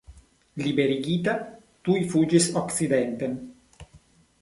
Liberigita, tuj fuĝis okcidenten.